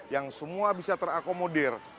yang semua bisa terakomodir